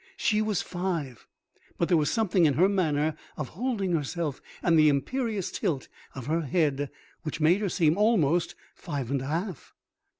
She was five; but there was something in her manner of holding herself and the imperious tilt of her head which made her seem almost five and a half.